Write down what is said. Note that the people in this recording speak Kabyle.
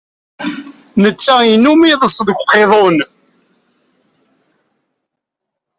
Netta yennum iḍes deg uqiḍun.